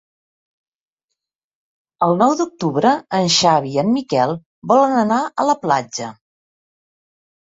El nou d'octubre en Xavi i en Miquel volen anar a la platja.